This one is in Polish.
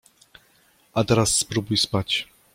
A teraz spróbuj spać!